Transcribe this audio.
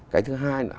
cái thứ hai là